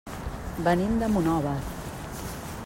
Venim de Monòver.